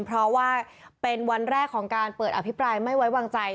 เพราะว่าเป็นวันแรกของการเปิดอภิปรายไม่ไว้วางใจ